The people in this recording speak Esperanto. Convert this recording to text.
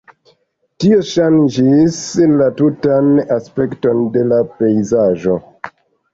Tio ŝanĝis la tutan aspekton de la pejzaĝo.